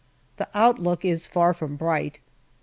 The outlook is far from bright.